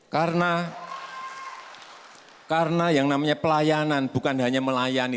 karena karena yang namanya pelayanan bukan hanya melayani